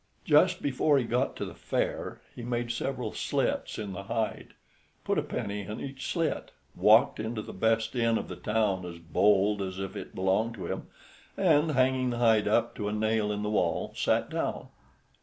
Just before he got to the fair, he made several slits in the hide, put a penny in each slit, walked into the best inn of the town as bold as if it belonged to him, and, hanging the hide up to a nail in the wall, sat down.